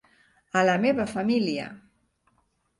A la meva família!